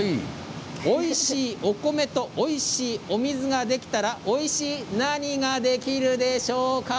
おいしいお米と、おいしいお水ができたらおいしい何ができるでしょうか。